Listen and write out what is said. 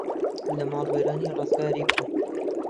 لە ماڵوێرانی ڕزگاری بوو